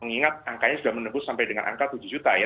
mengingat angkanya sudah menembus sampai dengan angka tujuh juta ya